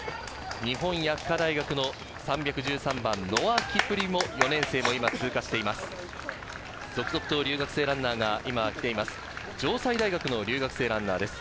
日本薬科大学の３１３番、ノア・キプリモ、４年生も今、通過していきます。